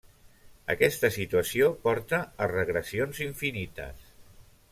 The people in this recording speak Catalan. Aquesta situació porta a regressions infinites.